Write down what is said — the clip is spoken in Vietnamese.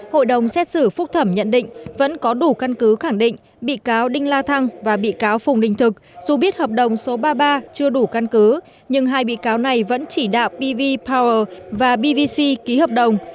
hội đồng xét xử phúc thẩm nhận định vẫn có đủ căn cứ khẳng định bị cáo đinh la thăng và bị cáo phùng đinh thực dù biết hợp đồng số ba mươi ba chưa đủ căn cứ nhưng hai bị cáo này vẫn chỉ đạo pv power và pvc ký hợp đồng